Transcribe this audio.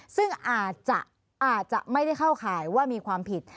ซึ่งอาจจะไม่ได้เข้าข่ายว่ามีความผิด